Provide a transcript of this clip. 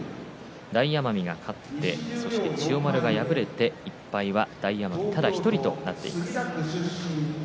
大奄美が勝って千代丸が敗れて１敗大奄美、ただ１人となっています。